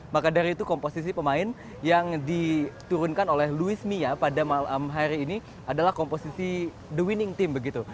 maka dari itu komposisi pemain yang diturunkan oleh luis mia pada malam hari ini adalah komposisi the winning team begitu